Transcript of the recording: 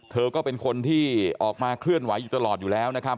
เธอก็เป็นคนที่ออกมาเคลื่อนไหวอยู่ตลอดอยู่แล้วนะครับ